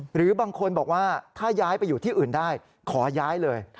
หรือบางคนบอกว่าถ้าย้ายไปอยู่ที่อื่นได้ขอย้ายเลย